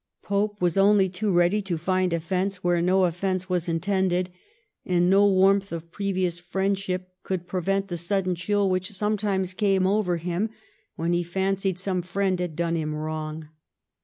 Pope was only too ready to find ofience where no offence was intended, and no warmth of previous friendship could prevent the sudden chill which sometimes came over him when he fancied some friend had done him wrong.